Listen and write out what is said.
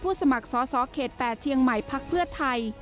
ผู้สมัครสสเขต๘เชียงใหม่พเฟื้อไทย